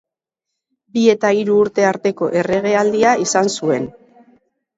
Bi eta hiru urte arteko erregealdia izan zuen.